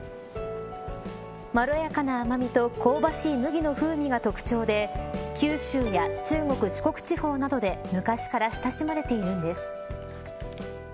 まろやかな甘みと香ばしい麦の風味が特徴で九州や中国、四国地方などで昔から親しまれているんです。